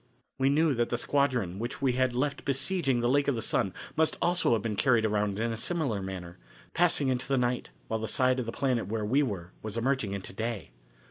We knew that the squadron which we had left besieging the Lake of the Sun must also have been carried around in a similar manner, passing into the night while the side of the planet where we were was emerging into day.